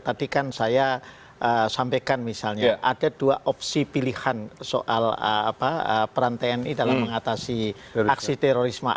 tadi kan saya sampaikan misalnya ada dua opsi pilihan soal peran tni dalam mengatasi aksi terorisme